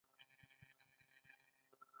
زما تر پښو لاندې دي